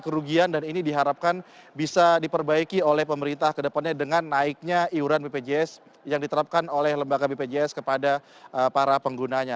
kerugian dan ini diharapkan bisa diperbaiki oleh pemerintah ke depannya dengan naiknya iuran bpjs yang diterapkan oleh lembaga bpjs kepada para penggunanya